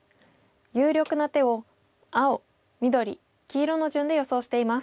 有力な手を青緑黄色の順で予想しています。